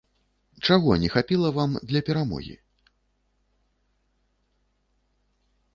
Чаго не хапіла вам для перамогі?